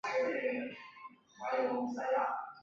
长瓣兜兰为兰科兜兰属下的一个种。